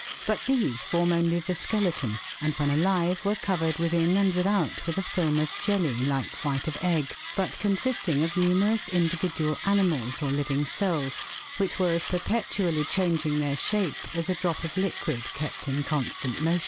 But these form only the skeleton, and when alive were covered within and without with a film of jelly, like white of egg, but consisting of numerous individual animals or living cells, which were as perpetually changing their shape as a drop of liquid kept in constant motion.